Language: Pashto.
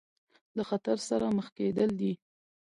له خطر سره مخ کېدل دي.